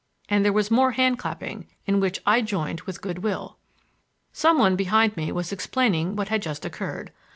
and there was more hand clapping, in which I joined with good will. Some one behind me was explaining what had just occurred.